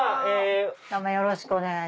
よろしくお願いします。